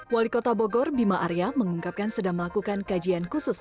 wali kota bogor bima arya mengungkapkan sedang melakukan kajian khusus